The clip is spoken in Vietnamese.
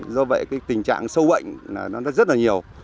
do vậy cái tình trạng sâu bệnh là nó rất là nhiều